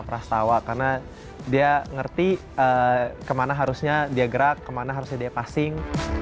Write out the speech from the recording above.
prastawa karena dia ngerti kemana harusnya dia gerak kemana harusnya dia passing